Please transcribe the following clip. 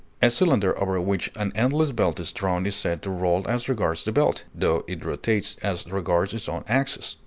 A cylinder over which an endless belt is drawn is said to roll as regards the belt, tho it rotates as regards its own axis.